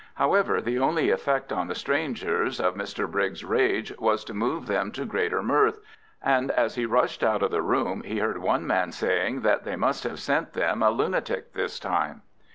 However, the only effect on the strangers of Mr Briggs' rage was to move them to greater mirth, and as he rushed out of the room he heard one man saying that they must have sent them a lunatic this time.